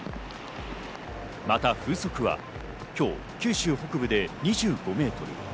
また風速は今日、九州北部で２５メートル。